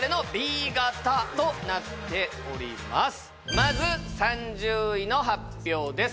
まず３０位の発表です